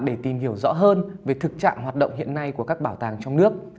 để tìm hiểu rõ hơn về thực trạng hoạt động hiện nay của các bảo tàng trong nước